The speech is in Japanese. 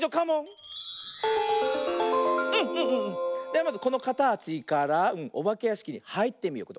ではまずこのかたちからおばけやしきにはいってみよう。